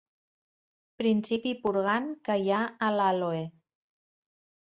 Principi purgant que hi ha a l'àloe.